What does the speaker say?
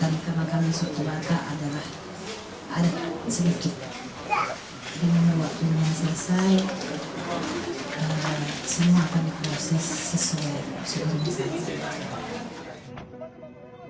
dengan waktu yang selesai semua akan berproses sesuai proses